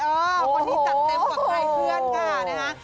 คนนี้จัดเต็มกว่าใครเพื่อนค่ะนะฮะ